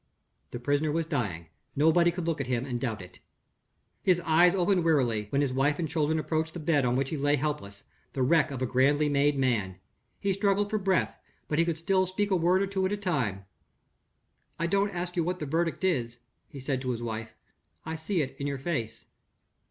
The prisoner was dying; nobody could look at him and doubt it. His eyes opened wearily, when his wife and children approached the bed on which he lay helpless the wreck of a grandly made man. He struggled for breath, but he could still speak a word or two at a time. "I don't ask you what the verdict is," he said to his wife; "I see it in your face."